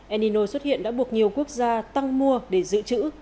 el nino xuất hiện đã buộc nhiều quốc gia tăng mua để giữ chữ